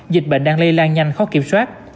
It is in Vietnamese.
dịch bệnh đang lây lan nhanh khó kiểm soát